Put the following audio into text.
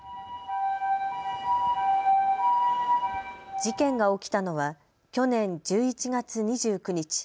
事件が起きたのは去年１１月２９日。